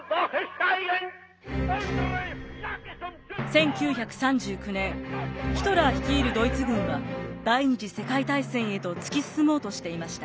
１９３９年ヒトラー率いるドイツ軍は第二次世界大戦へと突き進もうとしていました。